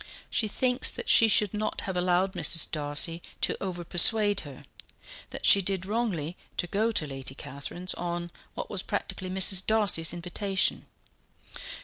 She thinks that she should not have allowed Mrs. Darcy to over persuade her that she did wrongly to go to Lady Catherine's on what was practically Mrs. Darcy's invitation."